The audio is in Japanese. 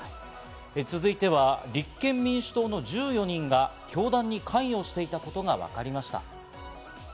続いては立憲民主党の１４人が教団に関与していたことがわかりました。